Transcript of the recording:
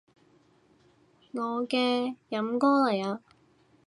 我嘅飲歌嚟啊